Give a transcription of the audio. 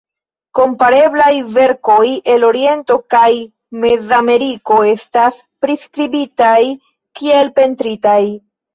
Kompareblaj verkoj el Oriento kaj Mezameriko estas priskribitaj kiel pentritaj.